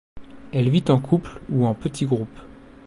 Elle vit en couple ou en petit groupe.